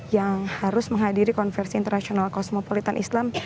yang harus menghadiri konversi internasional kosmopolitan islam